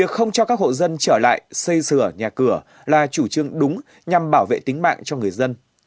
không cho các hộ dân trở lại xây sửa nhà cửa là chủ trương đúng nhằm bảo vệ tính mạng cho người dân